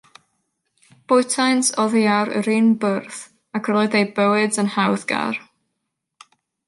Bwytaent oddi ar yr un bwrdd, ac yr oedd eu bywyd yn hawddgar.